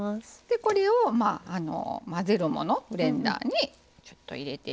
これを混ぜるものブレンダーに入れていきます。